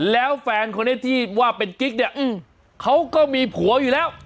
แล้วแฟนคนนี้ที่ว่าเป็นกิ๊กเนี่ยเขาก็มีผัวอยู่แล้ว